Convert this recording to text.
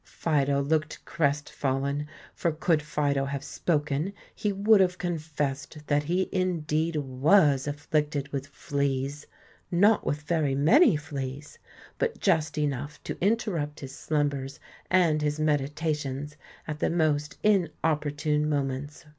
Fido looked crestfallen, for could Fido have spoken he would have confessed that he indeed was afflicted with fleas, not with very many fleas, but just enough to interrupt his slumbers and his meditations at the most inopportune moments.